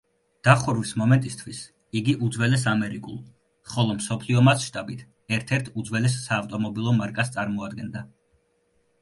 დახურვის მომენტისთვის, იგი უძველეს ამერიკულ, ხოლო მსოფლიო მასშტაბით ერთ–ერთ უძველეს საავტომობილო მარკას წარმოადგენდა.